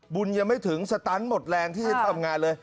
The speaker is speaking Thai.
บุญยังไม่ถึงสตันหมดแรงที่จะทำงานเลย